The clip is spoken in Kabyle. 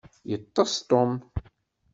Yeṭṭes Tom.